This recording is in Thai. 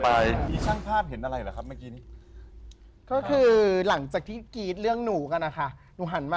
เปล่าก็เห็นมาทุกป่ะ